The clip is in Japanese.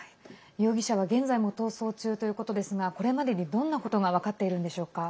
容疑者は現在も逃走中ということですがこれまでにどんなことが分かっているんでしょうか。